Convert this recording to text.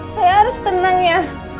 saya harus tenang ya